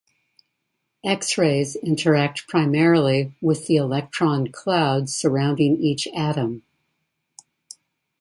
X-rays interact primarily with the electron cloud surrounding each atom.